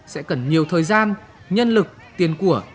sẽ cần nhiều thời gian nhân lực tiền của